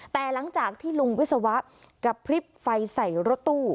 แต่หลังจากที่ลุงวิศวะกระพริบไฟใส่รถตู้